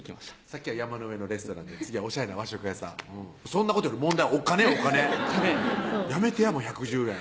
さっきは山の上のレストランで次はおしゃれな和食屋さんそんなことより問題はお金お金やめてやもう１１０円